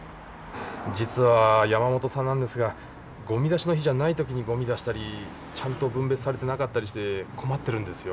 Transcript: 実は山本さんなんですがゴミ出しの日じゃない時にゴミ出したりちゃんと分別されてなかったりして困ってるんですよ。